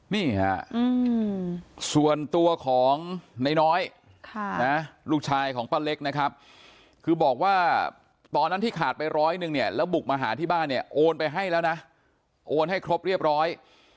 นี่ฮะส่วนตัวของน้อยลูกชายของป้าเล็กนะครับคือบอกว่าตอนนั้นที่ขาดไปร้อยหนึ่งเนี่ยแล้วบุกมาหาที่บ้านเนี่ยโอนไปให้แล้วนะโอนให้ครบเรียบร้อย